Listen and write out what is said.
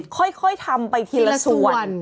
ค่อยทำไปทีละส่วน